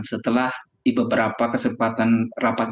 setelah di beberapa kesempatan rapat